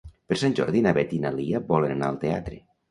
Per Sant Jordi na Beth i na Lia volen anar al teatre.